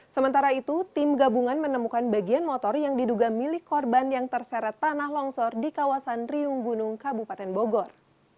sementara itu tim gabungan menemukan bagian motor yang diduga milik korban yang terseret tanah longsor di kawasan riung gunung kabupaten bogor